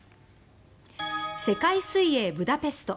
世界水泳ブダペスト。